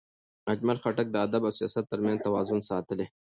اجمل خټک د ادب او سیاست ترمنځ توازن ساتلی.